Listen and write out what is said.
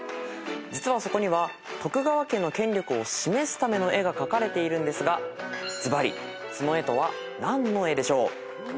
実はそこには徳川家の権力を示すための絵が描かれているんですがずばりその絵とは何の絵でしょう？